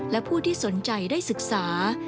และผู้ที่สนใจได้ศึกษา